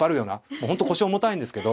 もう本当腰重たいんですけど。